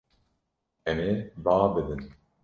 Em ê ba bidin.